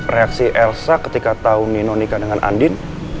reaksi elsa ketika tahu nino nikah dengan andin